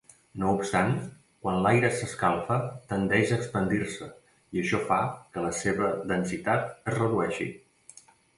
No obstant, quan l'aire s'escalfa tendeix a expandir-se, i això fa que la seva densitat es redueixi.